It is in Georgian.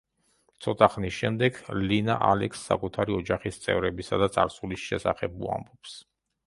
ცოტა ხნის შემდეგ, ლინა ალექსს საკუთარი ოჯახის წევრებისა და წარსულის შესახებ უამბობს.